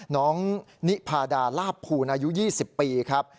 น้องนิพาดาลาบภูณอายุ๒๐ปีครับ